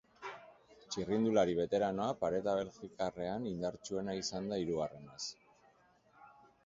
Txirrindulari beteranoa pareta belgikarrean indartsuena izan da hirugarrenez.